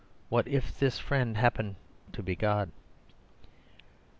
What if this friend happen to be God."